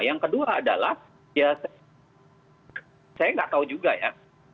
yang kedua adalah ya saya nggak tahu juga ya